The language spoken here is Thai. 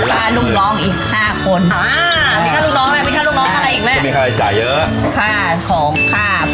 มีค่าลูกน้องแม่มีค่าลูกน้องอะไรอีกแม่จะมีใครจ่ายเยอะค่าของค่าพัก